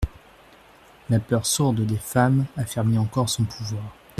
La peur sourde des femmes affermit encore son pouvoir.